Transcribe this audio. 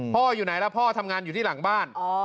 อยู่ไหนล่ะพ่อทำงานอยู่ที่หลังบ้าน